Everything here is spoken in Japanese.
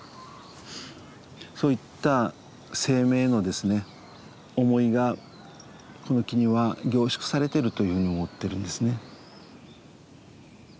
そういった生命の思いがこの木には凝縮されてるというふうに思ってるんですね。